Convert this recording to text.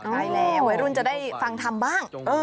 ไม่แน่วัยรุ่นจะได้ฟังธรรมบ้าง